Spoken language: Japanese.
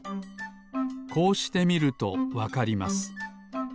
こうしてみるとわかります。